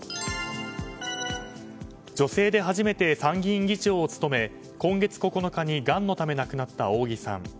女性で初めて参議院議長を務め今月９日にがんのため亡くなった扇さん。